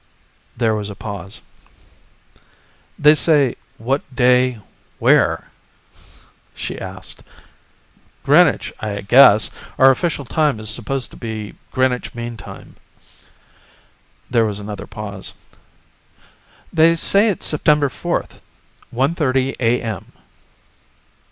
There was a pause. "They say what day where?" she asked. "Greenwich, I guess, our official time is supposed to be Greenwich Mean Time." There was another pause. "They say it's September fourth, one thirty A.M."